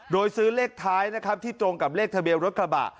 โดยซื้อเลขท้ายนะครับที่ตรงกับเลขทะเบียนรถกระบะ